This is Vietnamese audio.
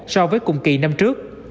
so với cùng kỳ năm trước